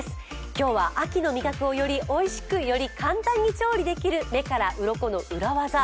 今日は秋の味覚をよりおいしくより簡単に調理できる目からうろこの裏技。